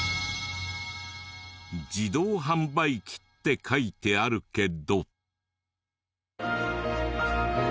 「自動販売機」って書いてあるけど。